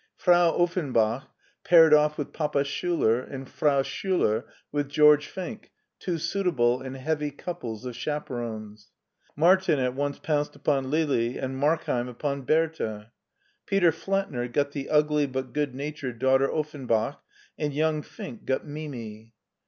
Frau Offenbach paired off with Papa Schiiler and Frau Schiiler with George Fink, two suitable and heavy couples of chaperons. Martin at once pounced upon Lili and Markheim upon Bertha. Peter Flettner got the ugly, but good natured, daughter Offenbach, and young Fink got Mimi.